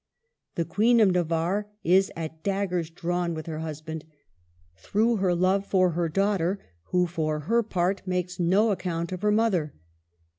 ... The Queen of Navarre is at daggers drawn with her husband, through her love for her daughter, who, for her part, makes no account of her mother.